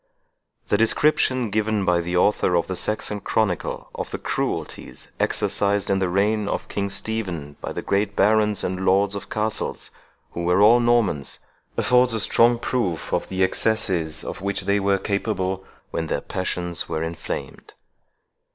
The description given by the author of the Saxon Chronicle of the cruelties exercised in the reign of King Stephen by the great barons and lords of castles, who were all Normans, affords a strong proof of the excesses of which they were capable when their passions were inflamed.